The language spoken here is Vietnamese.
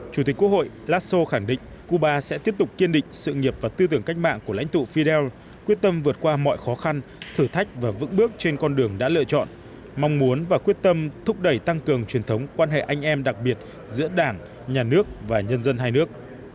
chủ tịch quốc hội lashow khẳng định cuba sẽ tiếp tục kiên định sự nghiệp và tư tưởng cách mạng của lãnh tụ fidel quyết tâm vượt qua mọi khó khăn thử thách và vững bước trên con đường đã lựa chọn mong muốn và quyết tâm thúc đẩy tăng cường truyền thống quan hệ anh em đặc biệt giữa đảng nhà nước và nhân dân hai nước